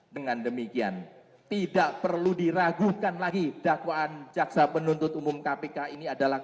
dengan demikian tidak perlu diragukan lagi dakwaan jaksa penuntut umum kpk ini adalah